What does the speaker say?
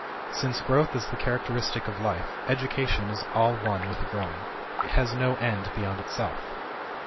Since growth is the characteristic of life, education is all one with growing; it has no end beyond itself.